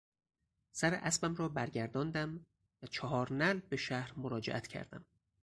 سر اسبم را برگرداندم و چهار نعل به شهر مراجعت کردم.